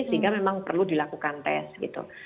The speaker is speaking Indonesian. sehingga memang perlu dilakukan tes gitu